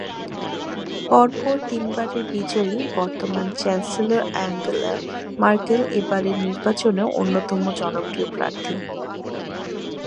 পরপর তিনবারের বিজয়ী বর্তমান চ্যান্সেলর আঙ্গেলা ম্যার্কেল এবারের নির্বাচনেও অন্যতম জনপ্রিয় প্রার্থী।